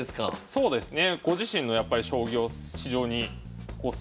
そうですね。